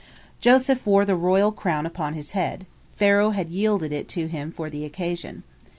Joseph wore the royal crown upon his head, Pharaoh had yielded it to him for the occasion.